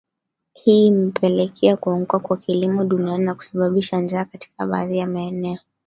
Hii imepelekea kuanguka kwa kilimo duniani na kusababisha njaa katika baadhi ya maeneo